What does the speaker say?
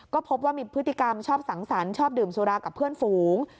ก็พบว่ามีพฤติกรรมชอบสังสรรค์ชอบดื่มสุรากับเพื่อนฝูง